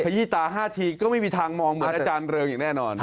ขยี้ตา๕ทีก็ไม่มีทางมองเหมือนอาจารย์เริงอย่างแน่นอน